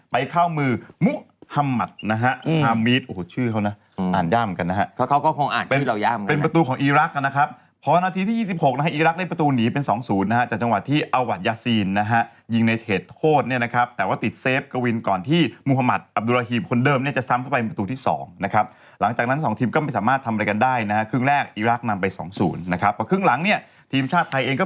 ไปเข้ามือมุฮัมมัตรรามีดพอนาทีที่๒๖อีรักษณ์ได้ประตูหนีเป็น๒๐จากจังหวัดที่เอวัตยาซีนยิงในเขตโทษแต่ว่าติดเซฟกวินก่อนที่มุฮัมมัตรอับดูลลาฮิมคนเดิมจะซ้ำเข้าไปประตูที่๒หลังจากนั้น๒ทีมก็ไม่สามารถทำอะไรกันได้เครื่องแรกอีรักษณ์นำไป๒๐เครื่องหลังทีมชาต